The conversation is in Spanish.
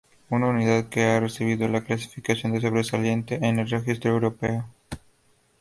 Una unidad que ha recibido la clasificación de sobresaliente en el registro europeo.